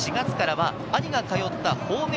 ４月からは兄が通ったほうめい